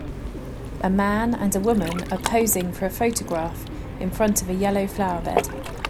A man and a woman are posing for a photograph in front of a yellow flowerbed.